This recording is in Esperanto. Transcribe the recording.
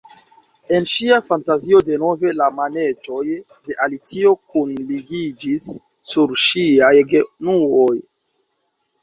En ŝia fantazio denove la manetoj de Alicio kunligiĝis sur ŝiaj genuoj.